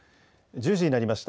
１０時になりました。